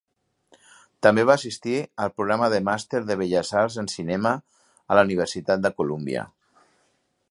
També va assistir al programa de màster de belles arts en cinema a la Universitat de Columbia.